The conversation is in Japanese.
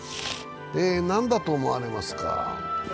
何だと思われますか？